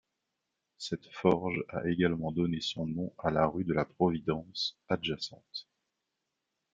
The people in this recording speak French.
Cette forge a également donné son nom à la rue de la Providence, adjacente.